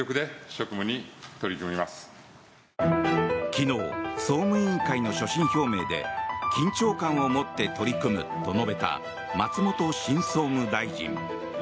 昨日、総務委員会の所信表明で緊張感を持って取り組むと述べた松本新総務大臣。